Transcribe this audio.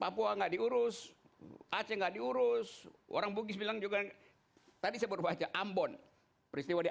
papua enggak diurus aceh enggak diurus orang bugis bilang juga tadi sebab baca ambon peristiwa di